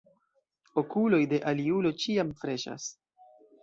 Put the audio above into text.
Okuloj de aliulo ĉiam freŝas.